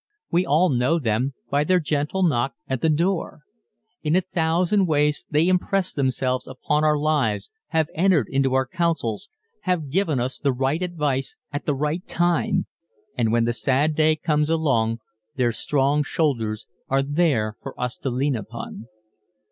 We all know them by their gentle knock at the door. In a thousand ways they impress themselves upon our lives, have entered into our councils, have given us the right advice at the right time and when the sad day comes along their strong shoulders are there for us to lean upon.